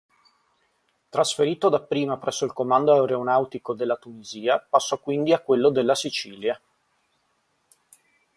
Trasferito dapprima presso il Comando Aeronautico della Tunisia, passò quindi a quello della Sicilia.